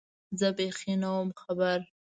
زه بېخي نه وم خبر